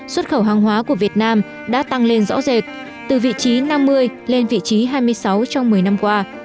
xuất khẩu hàng hóa của việt nam đã tăng lên rõ rệt từ vị trí năm mươi lên vị trí hai mươi sáu trong một mươi năm qua